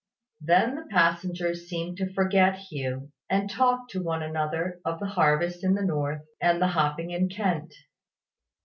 Then the passengers seemed to forget Hugh, and talked to one another of the harvest in the north, and the hopping in Kent.